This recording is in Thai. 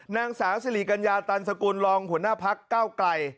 นางสาวสิริกัญญาตันสกุลรองหัวหน้าพักเก้าไกล